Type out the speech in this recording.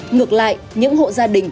ngược lại những hộ gia đình